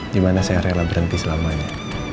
dimana saya rela berhenti selamanya